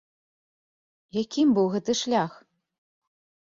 Якім быў гэты шлях?